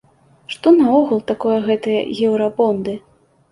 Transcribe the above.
Што наогул такое гэтыя еўрабонды?